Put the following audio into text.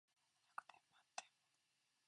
百点満点